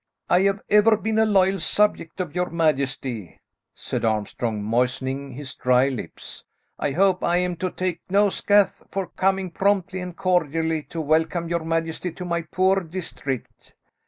"I have ever been a loyal subject of your majesty," said Armstrong, moistening his dry lips. "I hope I am to take no scathe for coming promptly and cordially to welcome your majesty to my poor district."